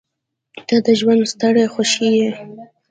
• ته د ژونده ستره خوښي یې.